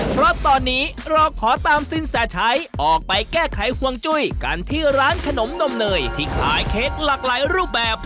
เพราะตอนนี้เราขอตามสินแสชัยออกไปแก้ไขห่วงจุ้ยกันที่ร้านขนมนมเนยที่ขายเค้กหลากหลายรูปแบบ